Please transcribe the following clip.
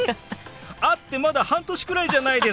会ってまだ半年くらいじゃないですか。